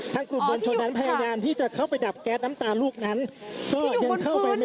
กลุ่มมวลชนนั้นพยายามที่จะเข้าไปดับแก๊สน้ำตาลูกนั้นก็ยังเข้าไปไม่